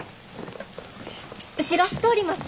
後ろ通ります。